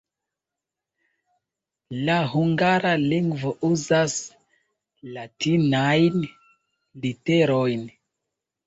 La hungara lingvo uzas latinajn literojn.